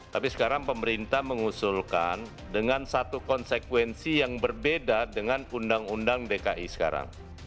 tapi sekarang pemerintah mengusulkan dengan satu konsekuensi yang berbeda dengan undang undang dki sekarang